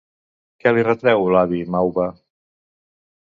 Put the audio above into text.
Què li retreu l'avi Mauva?